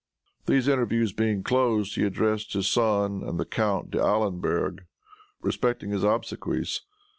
These interviews being closed, he addressed his son and Count d'Adelberg respecting his obsequies.